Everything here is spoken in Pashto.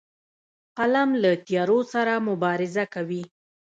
قلم له تیارو سره مبارزه کوي